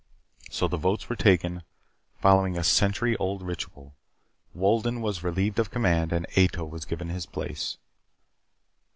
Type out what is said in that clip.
So the votes were taken, following a century old ritual. Wolden was relieved of command and Ato was given his place.